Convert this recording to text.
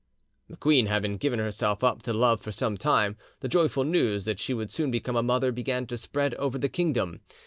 The queen having given herself up to love for some time, the joyful news that she would soon become a mother began to spread over the kingdom.